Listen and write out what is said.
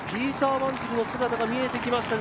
・ワンジルの姿が見えてきました。